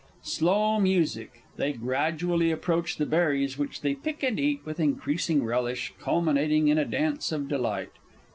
[_Slow music; they gradually approach the berries, which they pick and eat with increasing relish, culminating in a dance of delight.